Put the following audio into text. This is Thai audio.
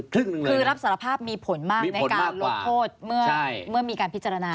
คือรับสารภาพมีผลมากในการลดโทษเมื่อมีการพิจารณา